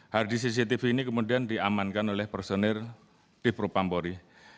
harddisk cctv ini kemudian diamankan oleh personil di propam pohri